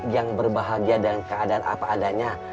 yang berbahagia dengan keadaan apa adanya